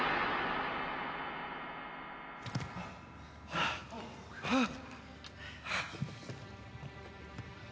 はあはあ！